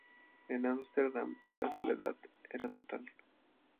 En Ámsterdam la soledad era total.